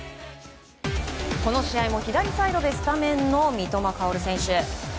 この試合も左サイドでスタメンの三笘薫選手。